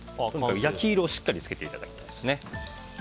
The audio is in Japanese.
焼き色をしっかり付けていただきます。